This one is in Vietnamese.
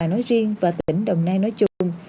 nói riêng và tỉnh đồng nai nói chung